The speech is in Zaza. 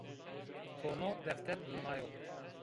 To no defter dirnayo?